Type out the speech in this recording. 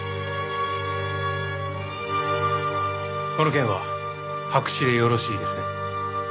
この件は白紙でよろしいですね。